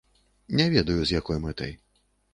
Не ведаю, з якой мэтай.